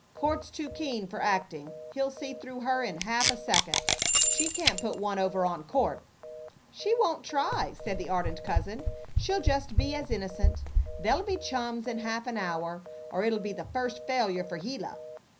"Court's too keen for acting. He'll see through her in half a second. She can't put one over on Court." "She won't try," said the ardent cousin. "She'll just be as innocent. They'll be chums in half an hour, or it'll be the first failure for Gila."